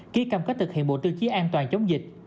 kia cầm cách thực hiện bộ tư chí an toàn chống dịch